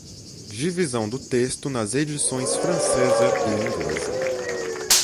Divisão do texto nas edições francesa e inglesa